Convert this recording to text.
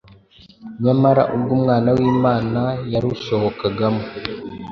nyamara ubwo Umwana w’Imana yarusohokagamo,